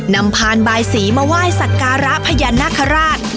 พานบายสีมาไหว้สักการะพญานาคาราช